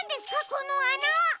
このあな！